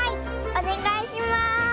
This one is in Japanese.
おねがいします！